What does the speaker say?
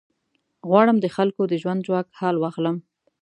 غواړم د خلکو د ژوند ژواک حال واخلم.